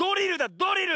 ドリル！